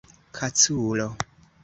kaculo